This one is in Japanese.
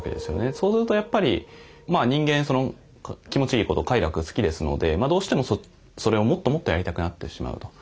そうするとやっぱり人間気持ちいいこと快楽が好きですのでどうしてもそれをもっともっとやりたくなってしまうと。